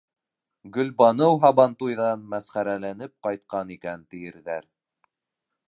Гөлбаныу һабантуйҙан мәсхәрәләнеп ҡайтҡан икән, тиерҙәр.